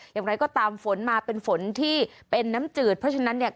อย่างไรก็ตามฝนมาเป็นฝนที่เป็นน้ำจืดเพราะฉะนั้นเนี่ย